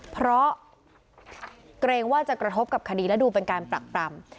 เพราะเกรงว่าจะกระทบกับคดีและดูเป็นการปรักปรำ